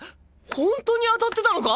ほんとに当たってたのか？